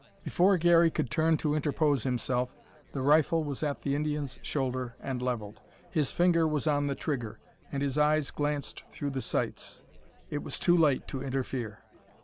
Before Garey could turn to interpose himself, the rifle was at the Indian's shoulder and levelled. His finger was on the trigger, and his eyes glanced through the sights. It was too late to interfere.